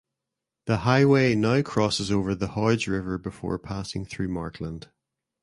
The highway now crosses over the Hodge River before passing through Markland.